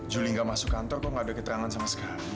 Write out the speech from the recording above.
julie gak masuk kantor kok gak ada keterangan sama sekali